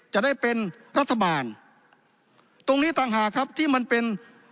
จะได้เป็นรัฐบาลตรงนี้ต่างหากครับที่มันเป็น